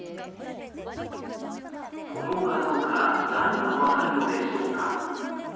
この画像から何が分かるのでしょうか。